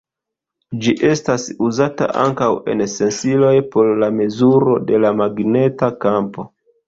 Ĝi estas uzata ankaŭ en sensiloj por la mezuro de la magneta kampo.